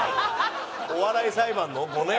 お笑い裁判の５年？